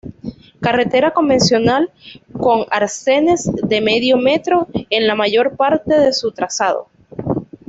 Carretera convencional con arcenes de medio metro en la mayor parte de su trazado.